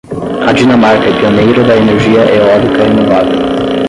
A Dinamarca é pioneira da energia eólica renovável.